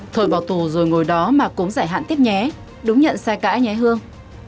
thôi vào tù rồi ngồi đó mà cũng giải hạn tiếp nhé đúng nhận sai cãi nhé hương